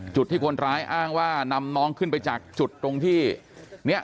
จุดที่คนร้ายอ้างว่านำน้องขึ้นไปจากจุดตรงที่เนี่ย